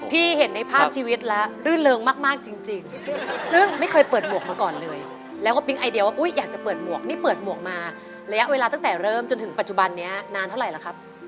เห็นในภาพชีวิตแล้วรื่นเริงมากจริงซึ่งไม่เคยเปิดหมวกมาก่อนเลยแล้วก็ปิ๊งไอเดียว่าอุ๊ยอยากจะเปิดหมวกนี่เปิดหมวกมาระยะเวลาตั้งแต่เริ่มจนถึงปัจจุบันนี้นานเท่าไหร่ล่ะครับ